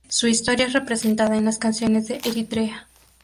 Su historia es representada en las canciones de Eritrea.